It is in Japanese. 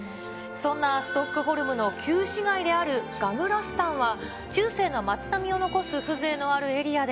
そんなストックホルムの旧市街であるガムラスタンは中世の町並みを残す風情のあるエリアで、